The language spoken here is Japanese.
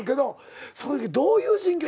そのときどういう心境？